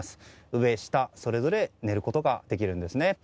上、下、それぞれ寝ることができるんですね。